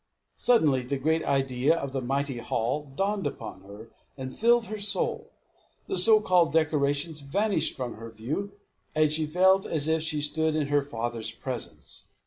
Suddenly the great idea of the mighty halls dawned upon her, and filled her soul. The so called decorations vanished from her view, and she felt as if she stood in her father's presence.